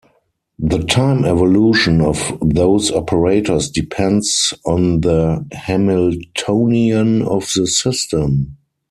The time evolution of those operators depends on the Hamiltonian of the system.